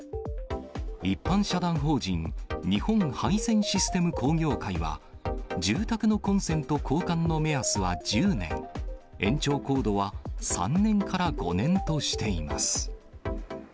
一般社団法人日本配線システム工業会は、住宅のコンセント交換の目安は１０年、延長コードは３年から５年としています。